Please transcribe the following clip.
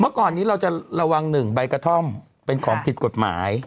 เมื่อก่อนนี้เราจะระวัง๑ใบกระท่อมเป็นของผิดกฎหมาย